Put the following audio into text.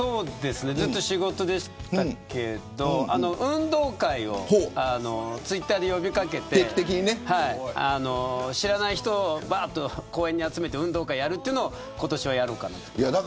ずっと仕事でしたけど運動会をツイッターで呼び掛けて知らない人を公園に集めて運動会をやるというのを今年はやろうかなと。